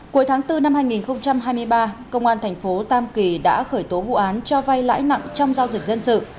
cuối tháng bốn năm hai nghìn hai mươi ba công an thành phố tam kỳ đã khởi tố vụ án cho vay lãi nặng trong giao dịch dân sự